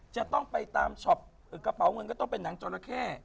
จะต้องไปตามช็อปกระเป๋าเงินก็ต้องเป็นหนังจราเข้